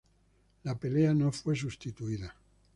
La pelea no fue sustituida.